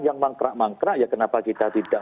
yang mangkrak mangkrak ya kenapa kita tidak